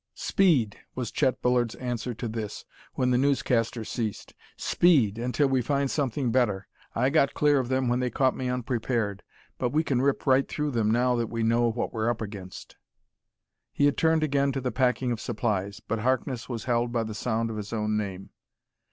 "Speed!" was Chet Bullard's answer to this, when the newscaster ceased. "Speed! until we find something better. I got clear of them when they caught me unprepared, but we can rip right through them now that we know what we're up against." He had turned again to the packing of supplies, but Harkness was held by the sound of his own name.